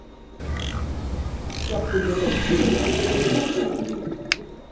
Каб ты гэтак жыў, як у цябе няма посуду!